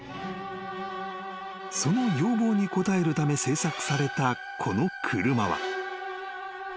［その要望に応えるため製作されたこの車は］